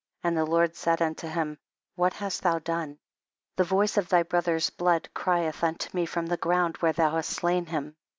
And the Lord said unto him, what hast thou done ? The voice of thy brother's blood crieth unto me from the ground where thou hast slain him.